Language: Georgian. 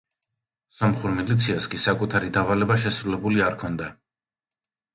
სომხურ მილიციას კი საკუთარი დავალება შესრულებული არ ჰქონდა.